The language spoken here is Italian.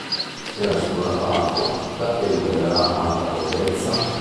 Nella seconda parte, "Da che dipenderà tanta bellezza?